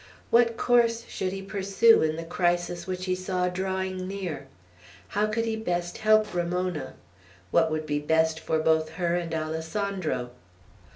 What course should he pursue in the crisis which he saw drawing near? How could he best help Ramona? What would be best for both her and Alessandro?